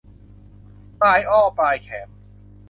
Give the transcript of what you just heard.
ปลายอ้อปลายแขม